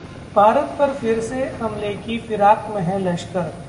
भारत पर फिर से हमले की फिराक में है लश्कर